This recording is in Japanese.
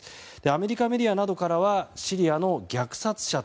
アメリカメディアなどからはシリアの虐殺者